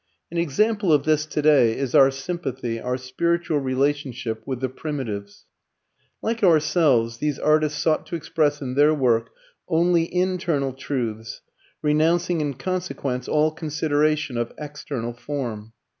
An example of this today is our sympathy, our spiritual relationship, with the Primitives. Like ourselves, these artists sought to express in their work only internal truths, renouncing in consequence all consideration of external form.